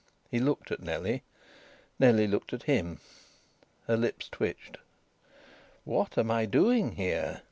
He looked at Nellie. Nellie looked at him. Her lips twitched. "What am I doing here?"